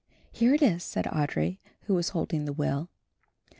"Here it is," said Audry, who was holding the will.